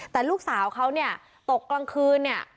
แต่ลูกสาวเขาเนี่ยตกกลางคืนเนี่ย